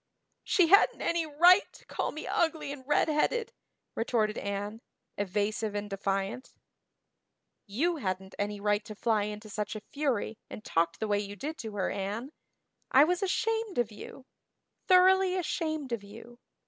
"She hadn't any right to call me ugly and redheaded," retorted Anne, evasive and defiant. "You hadn't any right to fly into such a fury and talk the way you did to her, Anne. I was ashamed of you thoroughly ashamed of you.